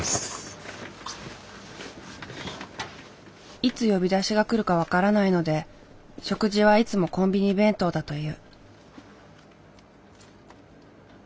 いつ呼び出しが来るか分からないので食事はいつもコンビニ弁当だという。